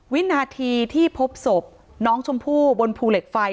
วินาทีที่พบศพน้องชมพู่บนภูเหล็กไฟ